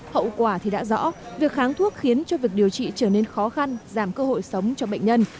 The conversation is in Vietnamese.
hậu quả thì đã rõ việc kháng thuốc khiến cho việc điều trị trở nên khó khăn giảm cơ hội sống cho bệnh nhân